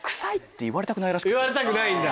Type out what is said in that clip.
言われたくないんだ。